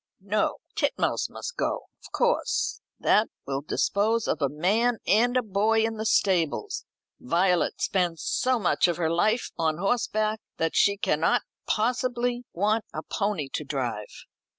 "No; Titmouse must go, of course. That will dispose of a man and a boy in the stables. Violet spends so much of her life on horseback, that she cannot possibly want a pony to drive."